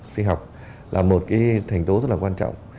sinh học là một thành tố rất quan trọng